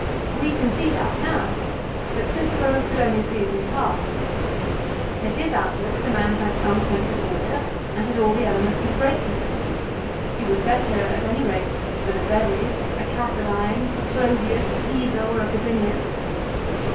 We can see that now ; but Cicero could only see it in part. To his outlook the man had some sense of order, and had all the elements of greatness. He was better at any rate than a Verres, a Catiline, a Clodius, a Piso, or a Gabinius.